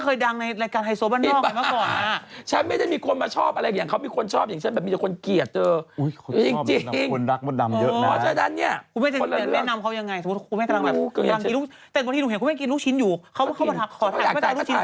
เค้าไปถ่ายกับลูกชิ้นนางน้าง